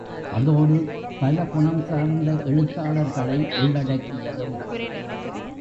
அதோடு பல குணம் சார்ந்த எழுத்தாளர்களை உள்ளடக்கியதும்.